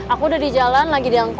aku udah di jalan lagi diangkut